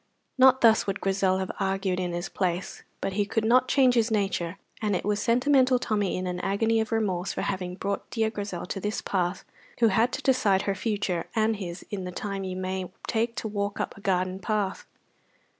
Not thus would Grizel have argued in his place; but he could not change his nature, and it was Sentimental Tommy, in an agony of remorse for having brought dear Grizel to this pass, who had to decide her future and his in the time you may take to walk up a garden path.